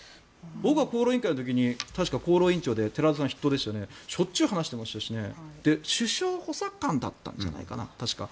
僕が厚労委員会の時に確か厚労委員長で寺田さんが筆頭でしょっちゅう話していましたし首相補佐官だったんじゃないかな確か。